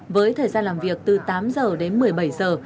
với thời gian làm việc từ tám giờ đến một mươi bảy giờ